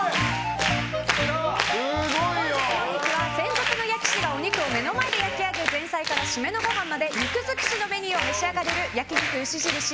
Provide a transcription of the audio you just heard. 本日のお肉は、専属の焼き師がお肉を目の前で焼き上げ前菜から締めのご飯まで肉尽くしのメニューを召し上がれる焼肉牛印